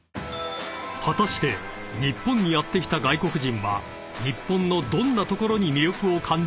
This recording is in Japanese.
［果たして日本にやって来た外国人は日本のどんなところに魅力を感じているのか？］